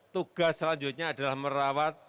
tugas selanjutnya adalah merawat